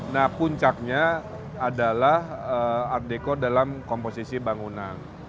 nah puncaknya adalah art deko dalam komposisi bangunan